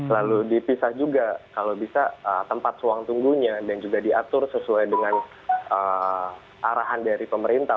lalu dipisah juga kalau bisa tempat suang tunggunya dan juga diatur sesuai dengan arahan dari pemerintah